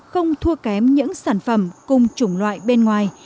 không thua kém những sản phẩm cùng chủng loại bên ngoài